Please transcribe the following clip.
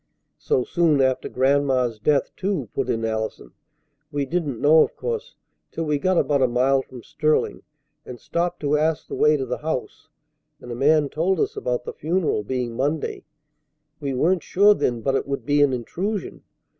"So soon after Grandma's death, too," put in Allison. "We didn't know, of course, till we got about a mile from Sterling and stopped to ask the way to the house, and a man told us about the funeral being Monday. We weren't sure then but it would be an intrusion.